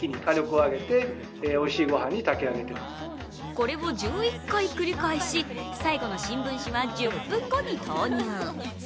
これを１１回繰り返し、最後の新聞紙は１０分後に投入。